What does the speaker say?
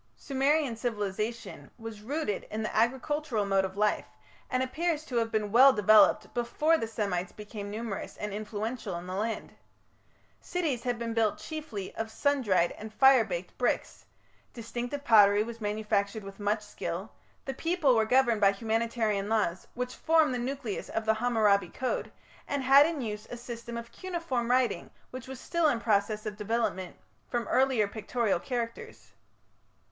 Sumerian civilization was rooted in the agricultural mode of life, and appears to have been well developed before the Semites became numerous and influential in the land. Cities had been built chiefly of sun dried and fire baked bricks; distinctive pottery was manufactured with much skill; the people were governed by humanitarian laws, which formed the nucleus of the Hammurabi code, and had in use a system of cuneiform writing which was still in process of development from earlier pictorial characters.